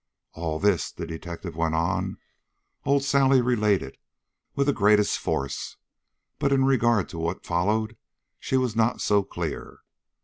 All this," the detective went on, "old Sally related with the greatest force; but in regard to what followed, she was not so clear.